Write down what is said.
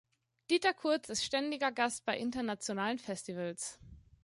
Dieter Kurz ist ständiger Gast bei internationalen Festivals.